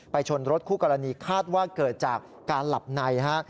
ชนรถคู่กรณีคาดว่าเกิดจากการหลับในฮะ